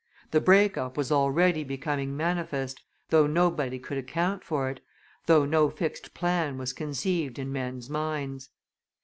The break up was already becoming manifest, though nobody could account for it, though no fixed plan was conceived in men's minds.